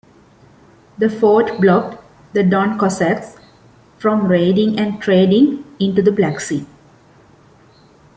The fort blocked the Don Cossacks from raiding and trading into the Black Sea.